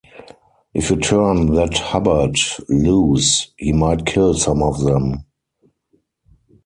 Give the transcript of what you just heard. If you turn that Hubbard loose, he might kill some of them.